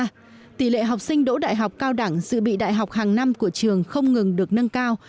tuy nhiên tỷ lệ học sinh đỗ đại học cao đẳng dự bị đại học hàng năm của trường không ngừng được nâng cao